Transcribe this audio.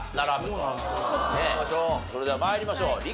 それでは参りましょう。